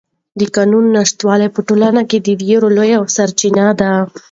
د قانون نشتوالی په ټولنه کې د وېرو لویه سرچینه ده.